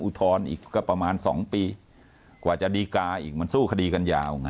อุทธรณ์อีกก็ประมาณ๒ปีกว่าจะดีกาอีกมันสู้คดีกันยาวไง